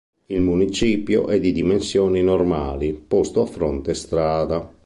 Il municipio è di dimensioni normali, posto a fronte strada.